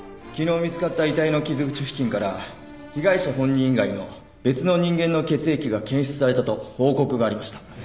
昨日見つかった遺体の傷口付近から被害者本人以外の別の人間の血液が検出されたと報告がありました。